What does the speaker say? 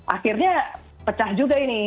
akhirnya pecah juga ini